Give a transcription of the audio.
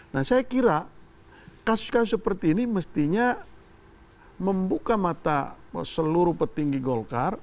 nah saya kira kasus kasus seperti ini mestinya membuka mata seluruh petinggi golkar